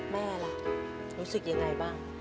แม่ล่ะรู้สึกยังไงบ้าง